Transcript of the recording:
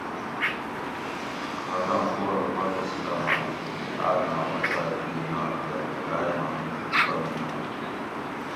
کھاٹاں پو ارو باچہ سلامات کھیکی آۤک ما پتائے کی نات تے خدائے ما میڛ کمی نات